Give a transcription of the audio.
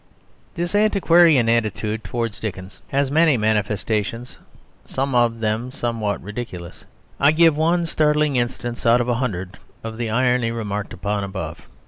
This antiquarian attitude towards Dickens has many manifestations, some of them somewhat ridiculous. I give one startling instance out of a hundred of the irony remarked upon above.